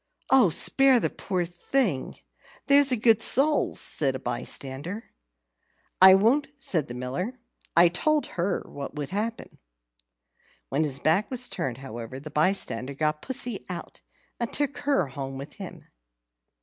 "Oh, spare the poor thing, there's a good soul," said a bystander. "I won't," said the Miller. "I told her what would happen." When his back was turned, however, the bystander got Pussy out, and took her home with him.